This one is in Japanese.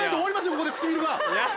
ここで唇が。